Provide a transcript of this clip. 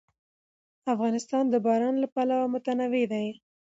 افغانستان د باران له پلوه متنوع دی.